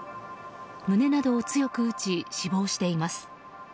胸などを強く打ち死亡しています。